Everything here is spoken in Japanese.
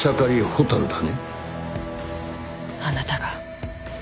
あなたが。